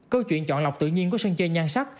câu chuyện chọn lọc tự nhiên của sân chơi nhan sắc